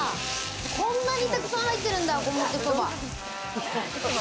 こんなにたくさん入ってるんだ、五目そば。